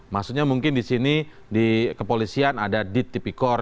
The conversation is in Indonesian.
maksudnya mungkin di sini di kepolisian ada dit tipikor